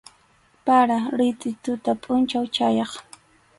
Para, ritʼi tuta pʼunchaw chayaq.